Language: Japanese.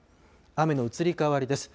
雨の移り変わりです。